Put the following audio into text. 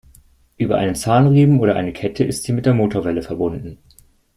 Über einen Zahnriemen oder eine Kette ist sie mit der Motorwelle verbunden.